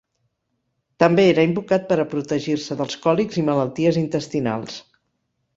També era invocat per a protegir-se dels còlics i malalties intestinals.